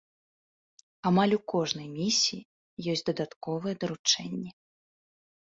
Амаль у кожнай місіі ёсць дадатковыя даручэнні.